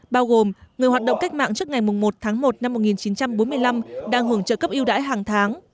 bao gồm người hoạt động cách mạng trước ngày một tháng một năm một nghìn chín trăm bốn mươi năm đang hưởng trợ cấp yêu đãi hàng tháng